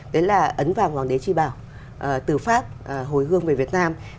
đấy là ấn vàng hoàng đế tri bảo từ pháp hồi hương về việt nam